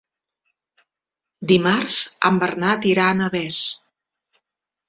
Dimarts en Bernat irà a Navès.